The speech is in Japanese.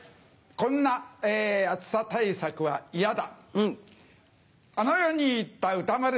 こんな暑さ対策は嫌だ。